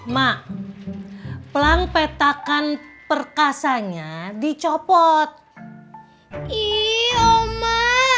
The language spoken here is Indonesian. mak pelang petakan perkasanya dicopot ii oma